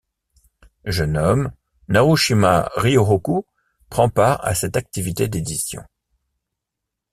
Jeune homme, Narushima Ryūhoku prend part à cette activité d'édition.